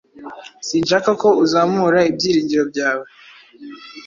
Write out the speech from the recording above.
Sinshaka ko uzamura ibyiringiro byawe.